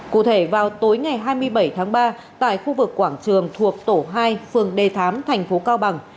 cụ thể vào tối ngày hai mươi bảy tháng ba tại khu vực quảng trường thuộc tổ hai phường đề thám thành phố cao bằng